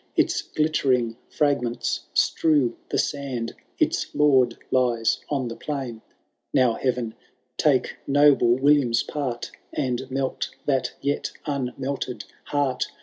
Its glittering fragments strew the sand, Its lord lies on the plain. Now, Heaven ! take noble William's part. And melt that yet unmelted heart.